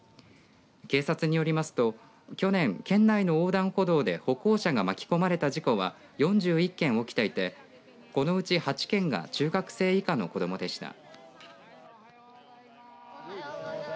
警察によりますと去年、県内の横断歩道で歩行者が巻き込まれた事故は４１件起きていてこのうち８件が中学生以下の子どもでした。